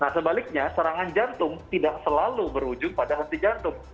nah sebaliknya serangan jantung tidak selalu berujung pada henti jantung